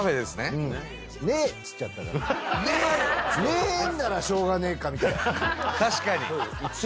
ねえんならしょうがねえかみたいな。